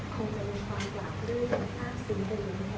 คงจะมีความหวังด้วยทั้งภาพศิลป์กับยุทธิ์